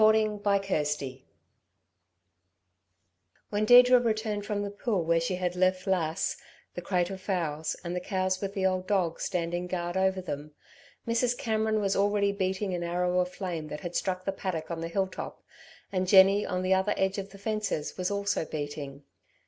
CHAPTER XIV When Deirdre returned from the pool, where she had left Lass, the crate of fowls, and the cows with the old dog standing guard over them, Mrs. Cameron was already beating an arrow of flame that had struck the paddock on the hill top, and Jenny on the other edge of the fences was also beating.